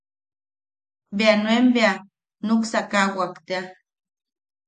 Bea nuen bea nuksakawak tea.